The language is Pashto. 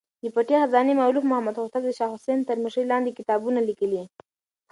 د پټې خزانې مولف محمد هوتک د شاه حسين تر مشرۍ لاندې کتابونه ليکلي.